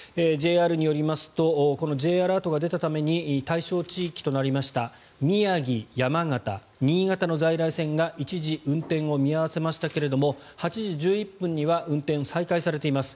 ＪＲによりますとＪアラートが出たために対象地域となりました宮城、山形、新潟の在来線が一時、運転を見合わせましたが８時１１分には運転が再開されています。